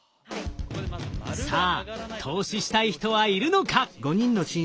さあ投資したい人はいるのか？